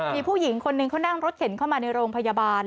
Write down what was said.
มีผู้หญิงคนนึงเขานั่งรถเข็นเข้ามาในโรงพยาบาล